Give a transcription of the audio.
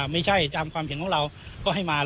ไม่ใช่ตามความเห็นของเราก็ให้มา